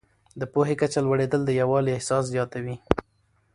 د پوهې کچه لوړېدل د یووالي احساس زیاتوي.